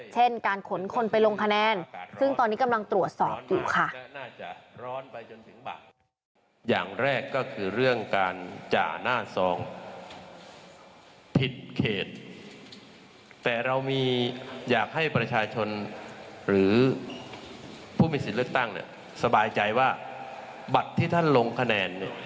เช่นการขนคนไปลงคะแนนซึ่งตอนนี้กำลังตรวจสอบอยู่ค่ะ